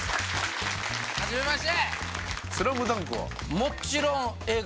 はじめまして。